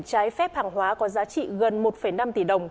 trái phép hàng hóa có giá trị gần một năm tỷ đồng